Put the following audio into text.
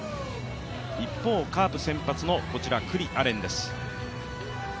一方、カープ先発の九里亜蓮です。